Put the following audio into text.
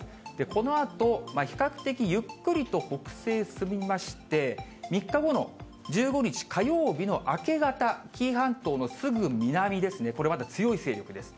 このあと比較的ゆっくりと北西へ進みまして、３日後の１５日火曜日の明け方、紀伊半島のすぐ南ですね、これまだ強い勢力です。